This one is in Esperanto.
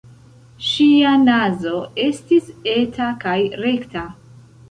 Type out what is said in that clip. Ŝia nazo estis eta kaj rekta.